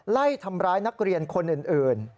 ไล่ทำร้ายนักเรียนคนอื่น